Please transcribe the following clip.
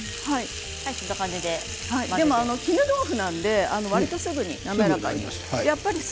でも絹豆腐なのでわりとすぐに滑らかになります。